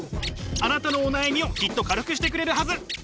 あなたのお悩みをきっと軽くしてくれるはず。